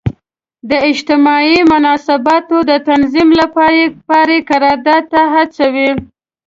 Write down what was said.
د اجتماعي مناسباتو د تنظیم لپاره یې قرارداد ته هڅوي.